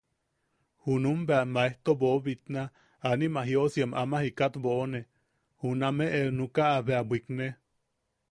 Junum bea maejto boʼobitna, anima jiosiam ama jikat boʼone, junameʼe nukaʼa bea bwikne.